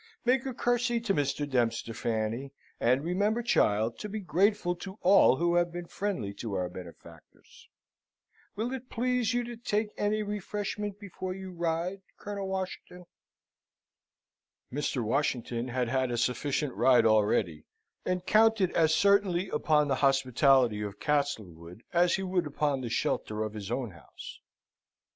"Make a curtsey to Mr. Dempster, Fanny, and remember, child, to be grateful to all who have been friendly to our benefactors. Will it please you to take any refreshment before you ride, Colonel Washington?" Mr. Washington had had a sufficient ride already, and counted as certainly upon the hospitality of Castlewood, as he would upon the shelter of his own house.